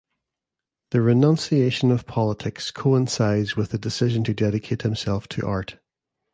The renunciation of politics coincides with the decision to dedicate himself to art.